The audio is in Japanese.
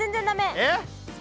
えっ？